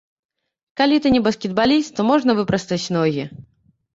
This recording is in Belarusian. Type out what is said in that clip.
Калі ты не баскетбаліст, то можна выпрастаць ногі.